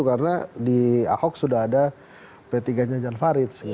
karena di ahok sudah ada p tiga nya jan farid